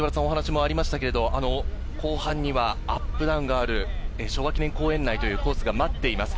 後半にはアップダウンがある昭和記念公園内というコースが待っています。